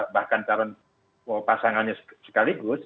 bahkan calon pasangannya sekaligus